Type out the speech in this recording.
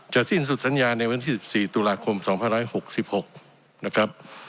สิ้นสุดสัญญาในวันที่๑๔ตุลาคม๒๑๖๖นะครับ